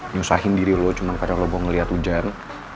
nyusahin diri lo cuma karena lo mau ngeliat hujan